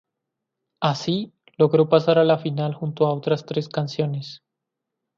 Así, logró pasar a la final junto a otras tres canciones.